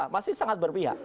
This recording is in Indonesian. masih sangat berpihak